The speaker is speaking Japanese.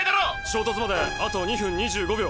衝突まであと２分２５秒。